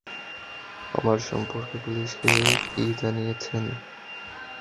আমার সম্পর্কে পুলিশকে কি জানিয়েছেন?